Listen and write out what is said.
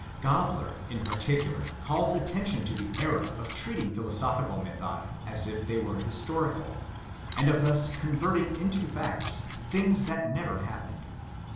Gabler in particular calls attention to the error of treating philosophical mythi as if they were historical, and of thus converting into facts things that never happened.